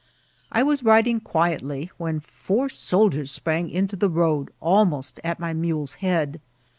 I was riding quietly, when four soldiers sprang into the road almost at my mule's head.